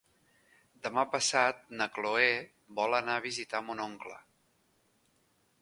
Demà passat na Cloè vol anar a visitar mon oncle.